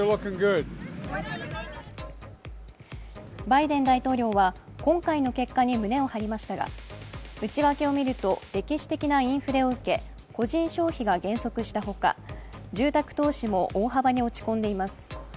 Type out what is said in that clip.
バイデン大統領は今回の結果に胸を張りましたが内訳を見ると、歴史的なインフレを受け、個人消費が減速したほか、住宅投資も大幅に落ち込んでいます。